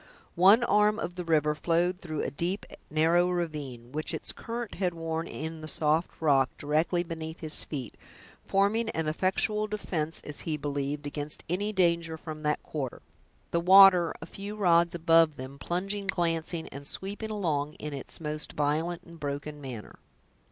One arm of the river flowed through a deep, narrow ravine, which its current had worn in the soft rock, directly beneath his feet, forming an effectual defense, as he believed, against any danger from that quarter; the water, a few rods above them, plunging, glancing, and sweeping along in its most violent and broken manner.